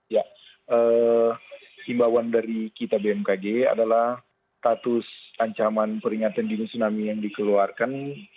ya imbauan dari kita bmkg adalah status ancaman peringatan dini tsunami yang dikeluarkan